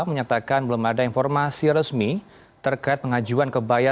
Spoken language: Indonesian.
menyatakan belum ada informasi resmi terkait pengajuan kebaya